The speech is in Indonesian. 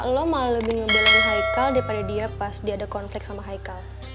lo malah lebih ngebelin hicle daripada dia pas dia ada konflik sama haikal